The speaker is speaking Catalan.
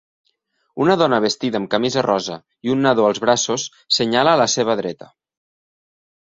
Una dona vestida amb camisa rosa i un nadó als braços senyala a la seva dreta